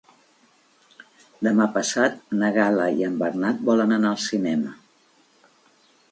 Demà passat na Gal·la i en Bernat volen anar al cinema.